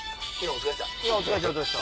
お疲れっした。